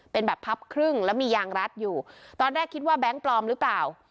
เป็นแบบพับครึ่งแล้วมียางรัดอยู่ตอนแรกคิดว่าแบงค์ปลอมหรือเปล่า